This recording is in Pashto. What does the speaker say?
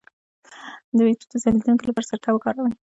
د ویښتو د ځلیدو لپاره سرکه وکاروئ